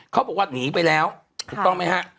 เขาบอกว่าหนีไปแล้วถูกต้องไหมฮะ